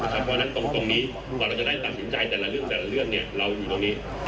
เพราะฉะนั้นตรงนี้ก่อนเราจะได้ตัดสินใจแต่ละเรื่องเราอยู่ตรงนี้